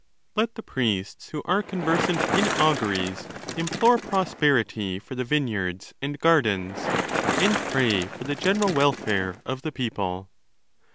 Let the priests who are conversant in auguries implore prosperity for the vineyards and gardens, and pray for the general welfare of the people.